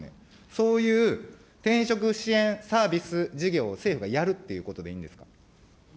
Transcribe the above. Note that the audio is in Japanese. そういう転職支援サービス事業を政府がやるということでいいんですか。